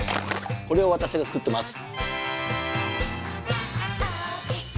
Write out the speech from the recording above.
これをわたしが作ってます。